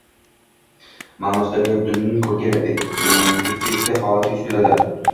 ma’nosidagi Dunning-Kurger effekti holati yuz beradi